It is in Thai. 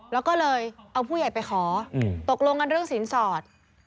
แล้วก็เลยเอาผู้ใหญ่ไปขอตกลงกันเรื่องสินสอด